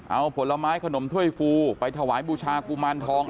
เอาผลไม้ขนมถ้วยฟูไปถวายบูชากุมารทอง